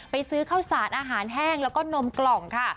ซื้อข้าวสารอาหารแห้งแล้วก็นมกล่องค่ะ